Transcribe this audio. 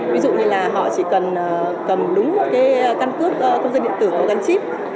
ví dụ như là họ chỉ cần cầm đúng một căn cước công dân điện tử có gắn chip